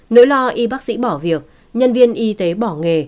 nỗi lo y bác sĩ bỏ việc nhân viên y tế bỏ nghề